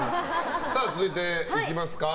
続いて、いきますか。